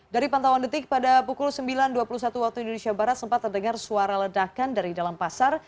dari pantauan detik pada pukul sembilan dua puluh satu waktu indonesia barat sempat terdengar suara ledakan dari dalam pasar